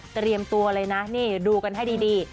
เตรียมตัวเลยนะนี่ดูกันให้ดี